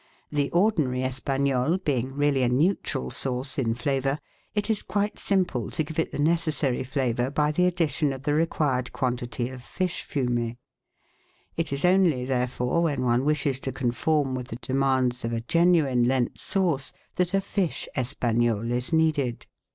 The ordinary Espagnole being really a neutral sauce in flavour, it is quite simple to give it the necessary flavour by the addition of the required quantity of fish fumet. It is only, therefore, when one wishes to conform with the demands of a genuine Lent sauce that a fish Espagnole is needed.